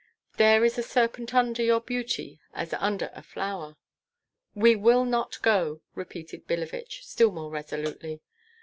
There is a serpent under your beauty as under a flower." "We will not go!" repeated Billevich, still more resolutely.